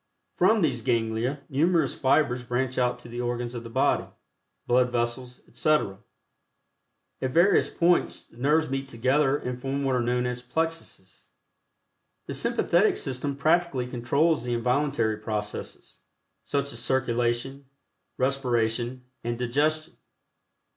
From these ganglia numerous fibers branch out to the organs of the body, blood vessels, etc. At various points, the nerves meet together and form what are known as plexuses. The Sympathetic System practically controls the involuntary processes, such as circulation, respiration and digestion.